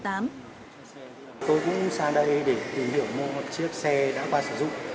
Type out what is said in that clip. tôi cũng sang đây để tìm hiểu mua một chiếc xe đã qua sử dụng